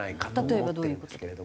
例えばどういう事？